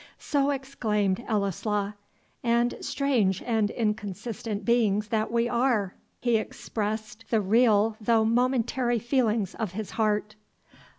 So exclaimed Ellieslaw; and, strange and inconsistent beings that we are! he expressed the real though momentary feelings of his heart.